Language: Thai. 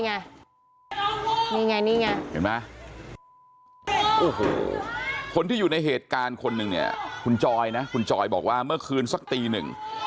นี่ไงคนที่อยู่ในเหตุการณ์คนนึงคุณจอยนะคุณจอยบอกว่าเมื่อคืนสักตีหนึ่ง